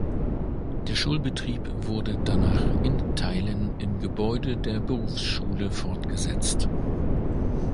Der Schulbetrieb wurde danach in Teilen im Gebäude der Berufsschule fortgesetzt.